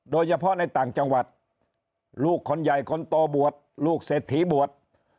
โดยเฉพาะในต่างจังหวัดลูกคนใหญ่คนโตบวชลูกเศรษฐีบวช